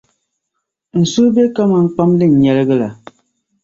n suhu be kaman kpam din nyɛligi la.